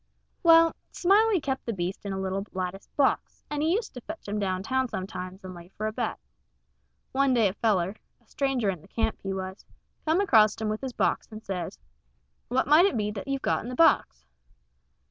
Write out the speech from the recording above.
Well, Smiley kep' the beast in a little lattice box, and he used to fetch him downtown sometimes and lay for a bet. One day a feller a stranger in the camp, he was come acrost him with his box, and says: "What might it be that you've got in the box?"